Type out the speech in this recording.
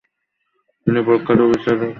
তিনি প্রখ্যাত বিচার পরিবারে জন্মগ্রহণ করেন।